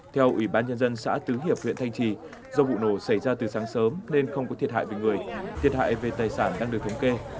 theo ủy ban nhân dân xã tứ hiệp huyện thanh trì do vụ nổ xảy ra từ sáng sớm nên không có thiệt hại về người thiệt hại về tài sản đang được thống kê